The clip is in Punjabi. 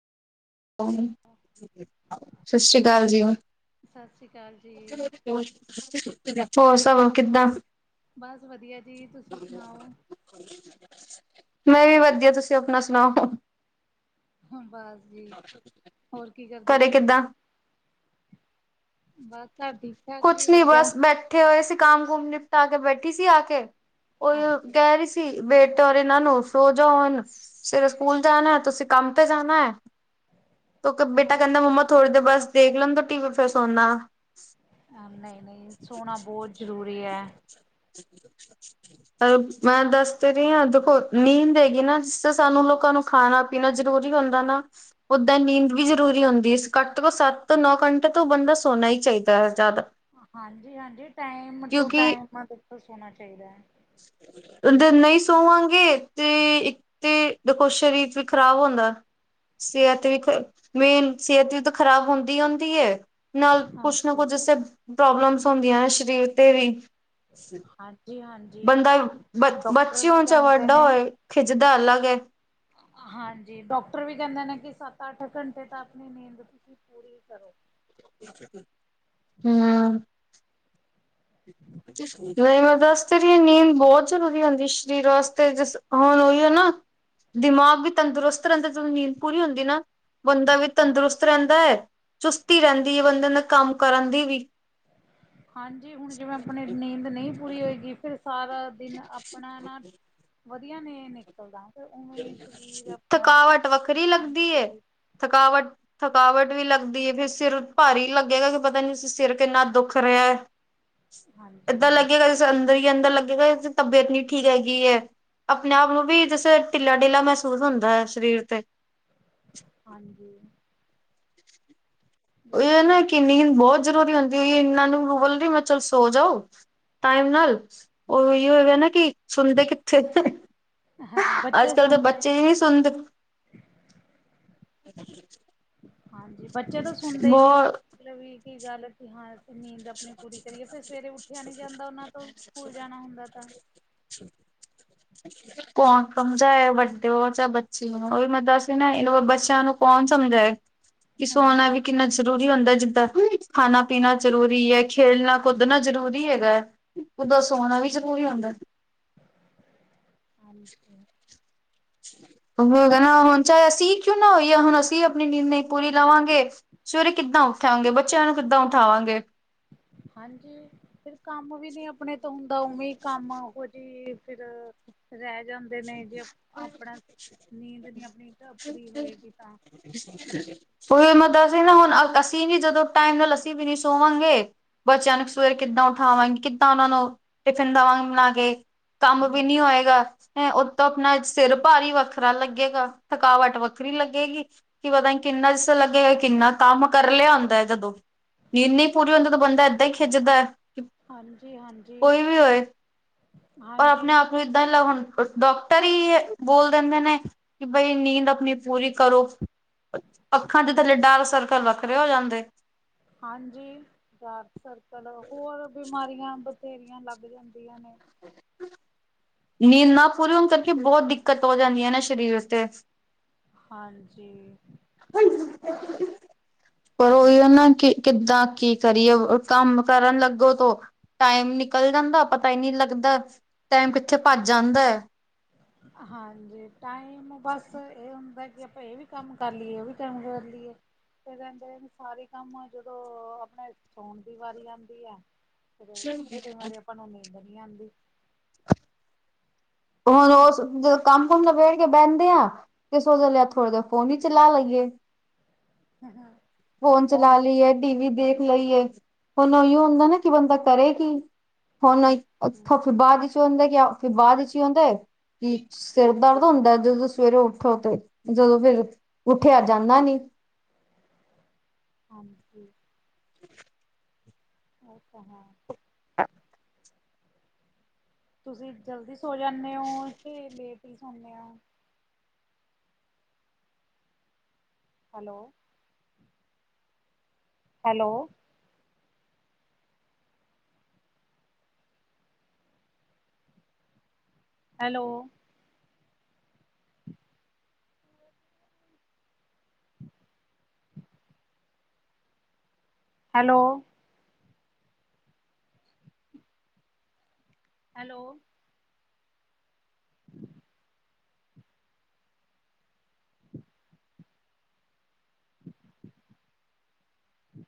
ਸ਼ਸ ਸ੍ਰੀ ਕਾਲ ਜੀ। ਸਤਿ ਸ੍ਰੀ ਅਕਾਲ ਜੀ ਹੋਰ ਸਬ ਕਿੱਦਾਂ ਵਧੀਅ ਜੀ ਤੁਸੀ ਸੁਣਾਓ। ਮੈਂ ਵੀ ਵਧੀਆ ਤੁਸੀਂ ਅਪਣਾ ਸੁਣਾਓ। ਹੂੰ ਬਸ ਜੀ ਹੋਰ ਕੀ ਕਰਦੇ ਘਰੇ ਸੀ। ਕਿੱਦਾਂ ਬਸ ਘਰ ਠੀਕ-ਠਾਕ ਜੀ ਵਧੀਆ ਕੱਠੇ ਹੋਏ ਸੀ ਕੰਮ-ਕੁਮ ਨਿਪਟਾ ਕੇ ਬੈਠੀ ਸੀ ਆ ਕੇ ਓ ਅੱਛਾ ਕੈ ਰੀ ਸੀ। ਸੀ ਬੇਟੇ ਔਰ ਇਨਾਂ ਨੂੰ ਸੋ ਜੌ ਹੁਨ ਸੇਰੇ ਸਕੂਲ ਜਾਣੈ ਤੁਸੀਂ ਕੰਮ ਤੇ ਜਾਨੈ। ਕਿਉਕਿ ਬੇਟਾ ਕੈਂਦਾ ਮੰਮਾ ਥੋੜੀ ਦੇਰ ਬਸ ਦੇਖ ਲੈਣ ਦੋ ਟੀ ਵੀ ਫੇਰ ਸੋਨਾ ਵਾ। ਹਾਂ ਨਈ-ਨਈ ਸੋਣਾ ਬਹੁਤ ਜ਼ਰੂਰੀ ਐ। ਹੈਲੋ ਮੈਂ ਦੱਸ ਤੇ ਰੀ ਆ ਦੇਖੋ ਨੀਂਦ ਹੈਗੀ ਨਾ ਜਿਸ ਤੇ ਸਾਨੂੰ ਲੋਕਾਂ ਨੂੰ ਖਾਣਾ-ਪੀਣਾ ਹਾਂਜੀ ਜਰੂਰੀ ਹੁੰਦਾ ਨਾ। ਓਦਾਂ ਨੀਂਦ ਵੀ ਜ਼ਰੂਰੀ ਹੁੰਦੀ ਏ ਘੱਟ ਤੋਂ ਘੱਟ ਸੱਤ ਤੋਂ ਨੌ ਘੰਟੇ ਤੋਂ ਬੰਦਾ ਸੋਣਾ ਹੀ ਚਾਈਦਾ ਜਾਦਾ ਹਾਂਜੀ-ਹਾਂਜੀ ਟਾਈਮ ਟੂ ਟਾਈਮ ਅਧਿਕਤਰ ਸੌਣਾ ਚਾਈਦਾ। ਦੇ ਨਈ ਸੋਵਾਂਗੇ ਤੇ ਇੱਕ ਤੇ ਵੇਖੋ ਸ਼ਰੀਰ ਵੀ ਖ਼ਰਾਬ ਹੁੰਦਾ। ਸਿਹਤ ਵੀ ਮੇਨ ਸਿਹਤ ਵੀ ਤਾਂ ਖ਼ਰਾਬ ਹੁੰਦੀ-ਹੁੰਦੀ ਏ। ਨਾਲ ਕੁਛ ਨਾ ਹਾਂਜੀ ਕੁਝ ਜਿਸ ਤਰ੍ਹਾਂ ਪ੍ਰੋਬਲਮਸ ਹੁੰਦੀਆਂ ਨੇ ਸਰੀਰ ਤੇ ਵੀ ਹਾਂਜੀ-ਹਾਂਜ ਬੰਦਾ ਬ ਬੱਚੀ ਹੋਣ ਚਾਹੇ ਵੱਡਾ ਨੇ ਹੋਏ ਖਿਝਦਾ ਅਲੱਗ ਏ। ਹਾਂਜੀ ਡਾਕਟਰ ਵੀ ਕੈਂਦੇ ਨੇ ਕਿ ਸੱਤ-ਅੱਠ ਘੰਟੇ ਤਾਂ ਆਪਣੀ ਨੀਂਦ ਤੁਸੀਂ ਪੂਰੀ ਕਰੋ। ਹੂੰ [inaudible] ਨਈ ਮੈਂ ਦੱਸ ਦੇ ਰਈ ਨੀਂਦ ਬੋਤ ਜ਼ਰੂਰੀ ਹੁੰਦੀ ਸਰੀਰ ਵਾਸਤੇ ਜਿਸ ਹੁਣ ਉਹੀ ਹੈ ਨਾ ਦਿਮਾਗ ਵੀ ਤੰਦਰੁਸਤ ਰੈਂਦਾ ਜਦੋਂ ਨੀਂਦ ਪੂਰੀ ਹੁੰਦੀ ਨਾ। ਬੰਦਾ ਵੀ ਹਾਂ ਤੰਦਰੁਸਤ ਰੈਂਦਾ ਚੁਸਤੀ ਰੈਂਦੀ ਐ ਬੰਦੇ ਨੇ ਕੰਮ ਕਰਨ ਦੀ ਵੀ ਹਾਂਜੀ ਹੁਣ ਜਿਵੇਂਆਪਣੀ ਨੀਂਦ ਨਈਪੂਰੀ ਹੋਏਗੀ ਫਿਰ ਸਾਰਾ ਦਿਨ ਆਪਣਾ ਨਾ ਵਧੀਆ ਨੇ ਨਿਕਲਦਾ ਤੇ ਉਵੇਂ ਸਰੀਰ ਆਪਣਾ ਥਕਾਵਟ ਵੱਖਰੀ ਲੱਗਦੀ ਏ ਹਾਂਜੀ। ਥਕਾਵਟ ਥਕਾਵਟ ਵੀ ਲੱਗਦੀਏ, ਫਿਰ ਸਿਰ ਭਾਰੀ ਲੱਗੇਗਾ ਕੀ ਪਤਾ ਨੀ ਸਿਰ ਕਿੰਨਾ ਦੁੱਖ ਰਿਆ। ਹਾਂਜੀ ਏਦਾਂ ਹਾਂਜੀ ਲੱਗੇਗਾ, ਜਿਸ ਅੰਦਰ ਈ ਅੰਦਰ ਲੱਗੇਗਾ ਤਬੀਅਤ ਨੀ ਠੀਕ ਹੈਗੀ ਏ। ਆਪਣੇ ਆਪ ਨੂੰ ਵੀ ਜੈਸੇ ਟਿੱਲਾਂ-ਟਿੱਲਾਂ ਮੈਸੂਸ ਹੁੰਦਾ ਏ ਸਰੀਰ ਤੇ। ਹਾਂਜੀ ਓਈ ਬਹੁਤ ਓ ਨਾ ਠੀਕ ਕੀ ਨੀਦ ਬੋਤ ਜ਼ਰੂਰੀ ਹੁੰਦੀ, ਏਨਾਂ ਨੂੰ ਰੋਲਦੀ, ਮੈਂ ਚਲ ਸੋ ਜੋ ਟਾਈਮ ਨਾਲ। ਓਈ ਓ ਹੈਗਾ ਨਾ ਕੀ ਸੁਣਦੇ ਕਿੱਥੇ? ਹਾਂ ਬੱਚੇ ਅਜ-ਕੱਲ੍ਹ ਤਾਂ ਸੁਣਦੇ ਬੱਚੇ ਦੀ ਨੀ ਨੇ ਸੁਣਦੇ। ਹ [inaudible] ਹਾਂਜੀ, ਬੱਚੇ ਤਾਂ ਸੁਣਦੇ ਈ ਨੀ ਮਲਬ ਕੀ ਗੱਲ ਤੇ ਹਾਂ ਅਸੀਂ ਨੀਂਦ ਆਪਣੀ ਪੂਰੀ ਕਰੀਏ, ਫੇਰ ਸਵੇਰੇ ਉੱਠਿਆ ਨੀ ਜਾਂਦਾ ਓਨਾਂ ਤੋਂ ਸਕੂਲ ਜਾਣਾ ਹੁੰਦਾ ਤਾਂ। [inaudible] ਕੌਣ ਸਮਝਾਏ, ਵੱਡੇ ਹੋ ਜਾਂ ਬੱਚੇ ਓ ਓਵੀ ਮੈਂ ਦੱਸ ਰੀ ਨਾ ਏਨੂੰ ਬੱਚਿਆਂ ਨੂੰ ਕੌਣ ਸਮਝਾਏ। ਕੀ ਸੋਣਾ ਹਾਂਜੀ ਵੀ ਕਿੰਨਾ ਜ਼ਰੂਰੀ ਹੁੰਦਾ, ਜਿੱਦਾਂ ਖਾਣਾ-ਪੀਣਾ ਜ਼ਰੂਰੀਏ। ਖੇਲਣਾ ਕੁੱਦਨਾ ਜਰੂਰੀ ਹੈਗਾ, ਓਦਾਂ ਸੋਣਾ ਵੀ ਜਰੂਰੀ ਹੁੰਦਾ। [unintelligible] ਓਹੀਓ ਹੈਗਾ ਨਾ ਹੁਣ ਚਾਏ ਅਸੀਂ ਕਿਉਂ ਨਾ ਹੋਈਏ ਹੁਣ ਅਸੀਂ ਆਪਣੀ ਨੀਂਦ ਨਈ ਪੂਰੀ ਲਵਾਂਗੇ ਸਵੇਰੇ ਕਿੱਦਾਂ ਉਠਾਂਗੇ, ਬੱਚਿਆਂ ਨੂੰ ਕਿੱਦਾਂ ਉਠਾਵਾਂਗੇ? ਹਾਂਜੀ, ਫਿਰ ਕੰਮ ਵੀ ਨੀ ਆਪਣੇ ਤੋਂ ਹੁੰਦਾ ਉਵੇਂ ਕੰਮ ਆਹੋ ਜੀ, ਫਿਰ ਰੈ ਜਾਂਦਾ। ਦੇਨੇ ਜੇ ਆਪਣਾ ਨੀਂਦ ਨੀ ਆਪਣੀ ਪੂਰੀ ਹੋਏਗੀ ਤਾਂ ਓਈਓ ਮਤਬ ਨਾ ਹੁਣ, ਅਸੀਂ ਨੀ ਜਦੋਂ ਟਾਈਮ ਨਾਲ ਅਸੀਂ ਵੀ ਨੀ ਸੋਵਾਂਗੇ ਬੱਚਿਆਂ ਨੂੰ ਸਵੇਰੇ ਕਿੱਦਾਂ ਉਠਾਵਾਂਗੇ, ਕਿੱਦਾਂ ਓਨਾਂ ਨੂੰ ਟਿਫਿਨ ਦੇਵਾਂਗੇ ਬਣਾ ਕੇ। ਕੰਮ ਵੀ ਨੀ ਹੋਏਗਾ। ਓਤੋਂ ਆਪਣਾ ਸਿਰ ਭਾਰੀ ਵੱਖਰਾ ਲੱਗੇਗਾ, ਥਕਾਵਟ ਵੱਖਰੀ ਲੱਗੇਗੀ। ਕੀ ਪਤਾ ਨੀ ਕਿੰਨਾ ਜਿਸਰ੍ਹਾਂ ਲੱਗੇਗਾ ਕਿੰਨਾ ਕੰਮ ਕਰ ਲਿਆ ਹੁੰਦਾ ਐ ਜਦੋਂ। ਨੀਂਦ ਨੀ ਪੂਰੀ ਹੁੰਦੀ ਉਦੋਂ ਬੰਦਾ ਏਦਾਂ ਈ ਖਿਝਦਾ। ਹਾਂਜੀ ਹਾਂਜੀ ਕੋਈ ਵੀ ਹੋਏ ਪਰ, ਹਾਂਜੀ ਆਪਣੇ ਆਪ ਨੂੰ ਏਦਾਂ ਈ ਹੁਣ ਬਸ ਡੋਕਟਰ ਈ ਬੋਲ ਦਿੰਦੇ ਨੇ ਕੀ ਬਈ ਨੀਂਦ ਆਪਣੀ ਪੂਰੀ ਕਰੋ। ਅੱਖਾਂ ਦੇ ਥੱਲੇ ਡਾਰਕ ਸਰਕਲ ਵੱਖਰੇ ਹੋ ਜਾਂਦੇ। ਹਾਂਜੀ ਡਾਰਕ ਸਰਕਲ, ਹੋਰ ਬਿਮਾਰੀਆਂ ਬਥੇਰੀਆਂ ਲੱਗ ਜਾਂਦੀਆਂ ਨੇ। ਨੀਂਦ ਨਾ ਪੂਰੀ ਹੋਣ ਕਰਕੇ ਬੋਤ ਦਿੱਕਤ ਓ ਜਾਂਦੀ ਐ ਨਾ ਸਰੀਰ ਤੇ। ਹਾਂਜੀ ਪਰ ਓਈ ਓਨਾ ਨੂੰ ਕੀ ਕਿੱਦਾਂ ਕੀ ਕਰੀਏ ਕੰਮ ਕਰਨ ਲੱਗੋ ਤੋਂ ਟਾਈਮ ਨਿਕਲ ਜਾਂਦਾ ਪਤਾ ਈ ਨੀ ਲੱਗਦਾ, ਟਾਈਮ ਕਿੱਥੇ ਭੱਜ ਜਾਂਦਾ ਐ। ਹਾਂਜੀ ਟਾਈਮ ਬਸ ਏ ਹੁੰਦਾ ਕੀ ਆਪਾਂ ਏ ਵੀ ਕੰਮ ਕਰ ਲੀਏ, ਓ ਵੀ ਕੰਮ ਕਰ ਲੀਏ। ਤੇ ਰੈਂਦੇ ਨੇ ਸਾਰੇ ਕੰਮ ਅ ਜਦੋਂ ਆਪਣੇ ਸੋਣ ਦੀ ਵਾਰੀ ਆਂਦੀ ਐ ਫੇਰ ਕਈ ਵਾਰੀ ਆਪਾਂ ਨੂੰ ਨੀਂਦਰ ਨੀ ਆਂਦੀ। ਹੁਣ ਓਸ ਜਦੋਂ ਕੰਮ ਹੂਣ ਨਬੇੜ ਕੇ ਬੈਂਦੇ ਆ ਤੇ ਸੋਚ ਲੈਣੇ ਆ ਥੋੜੇ ਦੇਰ ਫੋਨ ਵੀ ਚਲਾ ਲਈਏ। ਫੋਨ ਉਹ ਚਲਾ ਲਈ ਏ, ਟੀ ਵੀ ਹਮ, ਦੇਖ ਲਈ ਏ। ਹੁਨ ਔਈਔ ਹੁੰਦਾ ਨਾ ਕਿ ਬੰਦਾ ਕਰੇ ਕੀ ਹੁਨ ਹਮ, ਔਥੋਂ ਬਾਦ 'ਚ ਓਨੇ ਕਿਆ ਫੇਰ ਬਾਦ 'ਚ ਕੀ ਹੁੰਦਾ ਕਿ ਸਿਰ ਦਰਦ ਹੁੰਦਾ ਜਦੋਂ ਸਵੇਰੇ ਉਠੋ ਤੇ ਜਦੋਂ ਫੇਰ ਉਠਿਆ ਜਾਂਦਾ ਨੀ। ਹਾਂਜੀ। [inaudible] ਅੱਛਾ ਹਾਂ। ਤੁਸੀਂ ਜਲਦੀ ਸੋ ਜਾਨੇ ਔ ਕਿ ਲੇਟ ਈ ਸੋਨੇ ਔ? Hello. Hello. Hello. [inaudible] [inaudible] Hello. [inaudible] Hello. [inaudible] [inaudible]